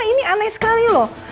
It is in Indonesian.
ini aneh sekali loh